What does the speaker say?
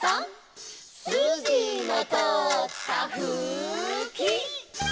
「すじのとおったふき」